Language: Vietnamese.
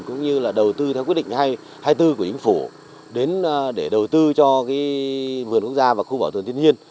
cũng như là đầu tư theo quyết định hai mươi bốn của chính phủ để đầu tư cho vườn quốc gia và khu vỏ tường thiên nhiên